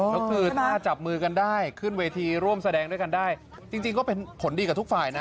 แล้วคือถ้าจับมือกันได้ขึ้นเวทีร่วมแสดงด้วยกันได้จริงก็เป็นผลดีกับทุกฝ่ายนะ